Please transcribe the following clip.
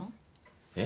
えっ？